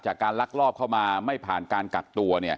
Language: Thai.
การลักลอบเข้ามาไม่ผ่านการกักตัว